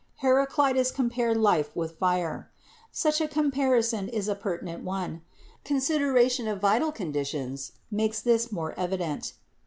Heraclitus compared life with fire. Such a comparison is a pertinent one. Consideration of vital conditions makes this more evident.